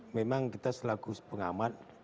memang kita selaku pengadilan